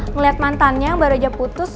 ngeliat mantannya baru aja putus